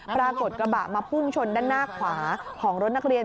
กระบะมาพุ่งชนด้านหน้าขวาของรถนักเรียน